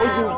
tuh tuh tuh